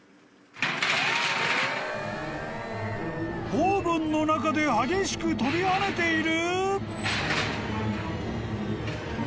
［オーブンの中で激しく飛び跳ねている！？］